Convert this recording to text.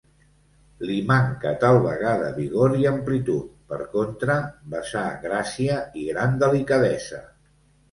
Li mancà tal vegada vigor i amplitud; per contra, vessà gràcia i gran delicadesa.